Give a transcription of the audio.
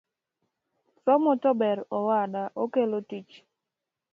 Somo tober owada, okelo tich